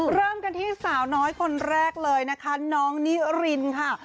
เริ่มกันที่สาวน้อยคนแรกเลยนะคะน้องนิรินค่ะ